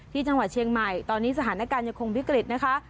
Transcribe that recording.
ที่จังหวัดเชียงใหม่ตอนนี้สถานการณ์ยังคงวิกฤตนะคะ